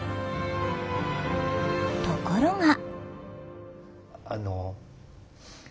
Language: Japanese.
ところが。